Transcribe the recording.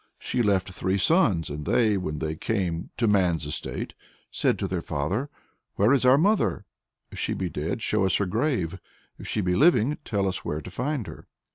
She left three sons, and they, when they came to man's estate, said to their father "Where is our mother? If she be dead, show us her grave; if she be living, tell us where to find her."